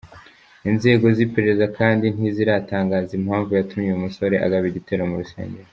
Inzego z’iperereza kandi ntiziratangaza impamvu yatumye uyu musore agaba igitero mu rusengero.